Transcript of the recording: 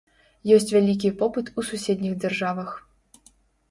Ёсць вялікі попыт у суседніх дзяржавах.